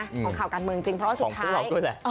ของข่าวการเมืองจริงเพราะว่าสุดท้าย